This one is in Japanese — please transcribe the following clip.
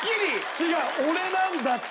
違う俺なんだって。